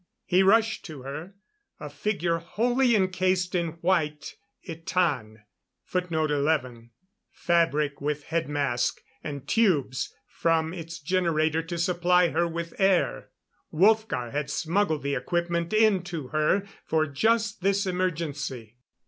He rushed to her. A figure wholly encased in white itan fabric with head mask, and tubes from its generator to supply her with air. Wolfgar had smuggled the equipment in to her for just this emergency.